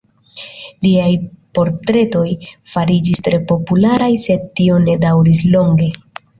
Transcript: Liaj portretoj fariĝis tre popularaj, sed tio ne daŭris longe.